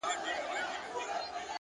• دوه او درې بد صفتونه یې لا نور وي ,